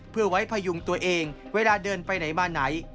เพื่อไว้พยุงตัวเองเวลาเดินไปไหนมาไหน